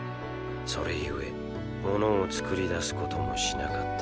それゆえ物を作り出すこともしなかった。